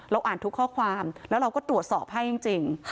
อ่านทุกข้อความแล้วเราก็ตรวจสอบให้จริง